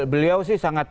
beliau sih sangat